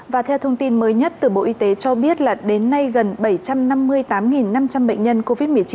và theo thông tin mới nhất từ bộ y tế cho biết là đến nay gần bảy trăm năm mươi tám năm trăm linh bệnh nhân covid một mươi chín